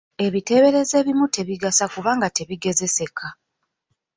Ebiteeberezo ebimu tebigasa kubanga tebigezeseka.